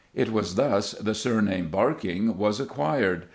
It was thus the surname Barking was acquired.